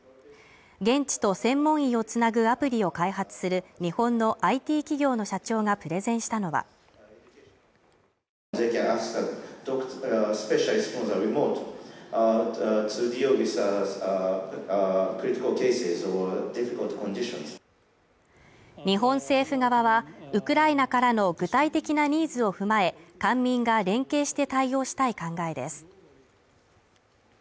現地と専門医をつなぐアプリを開発する日本のＩＴ企業の社長がプレゼンしたのは日本政府側はウクライナからの具体的なニーズを踏まえ、官民が連携して対応したい考えです。